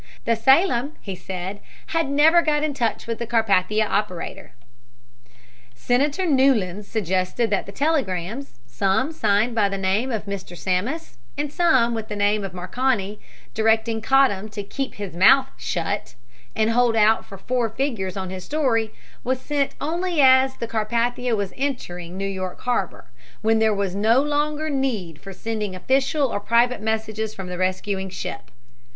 The Salem, he said, had never got in touch with the Carpathia operator. Senator Newlands suggested that the telegrams, some signed by the name of Mr. Sammis and some with the name of Marconi, directing Cottam to "keep his mouth shut" and hold out for four figures on his story, was sent only as the Carpathia was entering New York harbor, when there was no longer need for sending official or private messages from the rescuing ship.